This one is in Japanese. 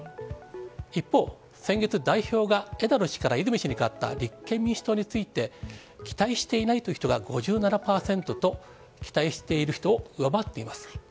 一方、先月、代表が枝野氏から泉氏に代わった立憲民主党について、期待していないという人が５７％と、期待している人を上回っています。